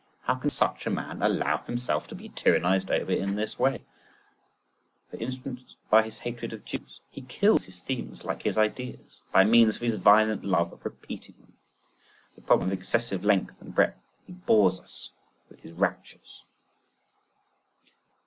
How can _such a man allow himself to be tyrannised over in this __ way_! For instance by his hatred of Jews. He kills his themes like his "ideas," by means of his violent love of repeating them. The problem of excessive length and breadth; he bores us with his raptures.